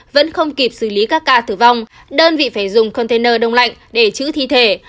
vẫn không kịp xử lý các ca tử vong đơn vị phải dùng container đông lạnh để chữ thi thể